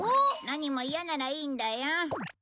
何も嫌ならいいんだよ。